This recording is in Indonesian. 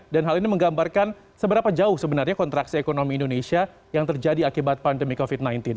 dan hal ini menggambarkan seberapa jauh sebenarnya kontraksi ekonomi indonesia yang terjadi akibat pandemi covid sembilan belas